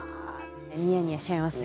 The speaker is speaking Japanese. ニヤニヤしちゃいますね。